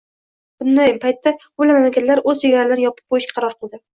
Bunday paytda ko‘plab mamlakatlar o‘z chegaralarini yopib qo‘yishga qaror qildi.